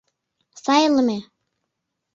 — Сайлыме.